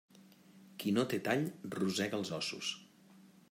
Qui no té tall, rosega els ossos.